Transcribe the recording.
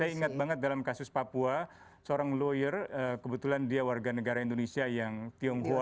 saya ingat banget dalam kasus papua seorang lawyer kebetulan dia warga negara indonesia yang tionghoa